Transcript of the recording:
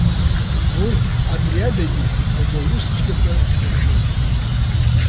Урҭ абри адагьы, иага аус цәгьақәа нарыгӡоит.